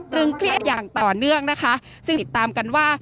เครียดอย่างต่อเนื่องนะคะซึ่งติดตามกันว่า